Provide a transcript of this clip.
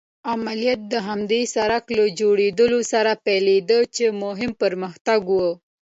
عملیات د همدې سړک له جوړېدو سره پيلېدل چې مهم پرمختګ و.